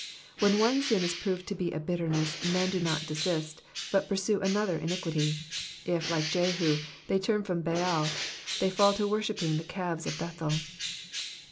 When one sin is proved to be a bitterness, men do not desist, but pursue another iniquity. If, like Jehu, they turn from Baal, they fall to worshipping the calves of Bethel.